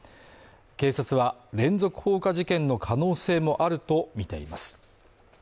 警察は連続放火事件の可能性もあるとみています